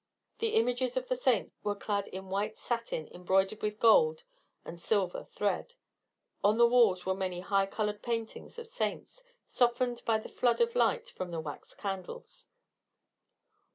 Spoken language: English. The images of the saints were clad in white satin embroidered with gold and silver thread. On the walls were many high coloured paintings of saints, softened by the flood of light from the wax candles.